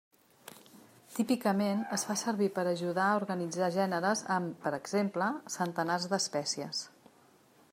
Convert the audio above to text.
Típicament es fa servir per a ajudar a organitzar gèneres amb, per exemple, centenars d'espècies.